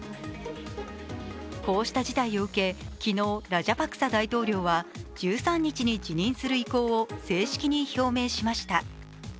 こうした事態を受け、昨日ラジャパクサ大統領は１３日に辞任する意向を正式に表明しました。